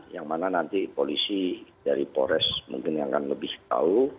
yang mana nanti polisi dari polres mungkin akan lebih tahu